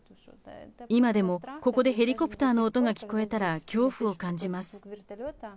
今でもここでヘリコプターの音が聞こえたら、恐怖を感じます。